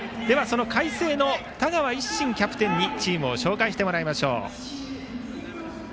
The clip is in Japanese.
海星の田川一心キャプテンにチームを紹介してもらいます。